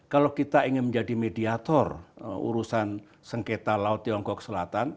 kalau kita ingin menjadi mediator urusan sengketa laut tiongkok selatan